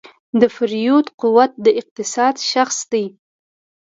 د پیرود قوت د اقتصاد شاخص دی.